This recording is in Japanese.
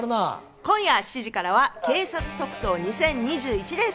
今夜７時からは『警察特捜２０２１』です。